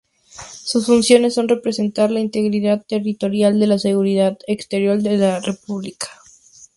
Sus funciones son preservar la integridad territorial y la seguridad exterior de la República.